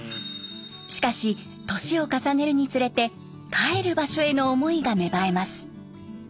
しかし年を重ねるにつれて帰る場所への思いが芽生えます。